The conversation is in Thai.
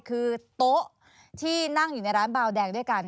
คือโต๊ะที่นั่งอยู่ในร้านบาวแดงด้วยกัน